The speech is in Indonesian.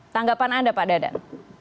tanggapan anda pak dadan